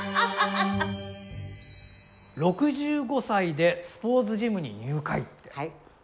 「６５歳でスポーツジムに入会」って。